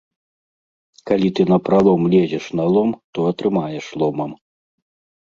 Калі ты напралом лезеш на лом, то атрымаеш ломам.